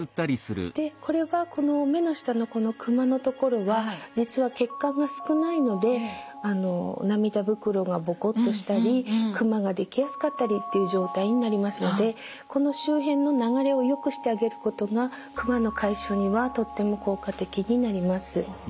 これはこの目の下のクマのところは実は血管が少ないので涙袋がボコッとしたりクマが出来やすかったりっていう状態になりますのでこの周辺の流れをよくしてあげることがクマの解消にはとっても効果的になります。